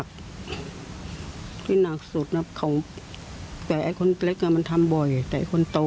คุณแม่บอกว่าไม่เข้าหูก็อ๋อ